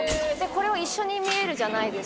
これは一緒に見えるじゃないですか。